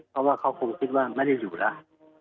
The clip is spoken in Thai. เพราะว่าเขาคงคิดว่าไม่ได้อยู่แล้ว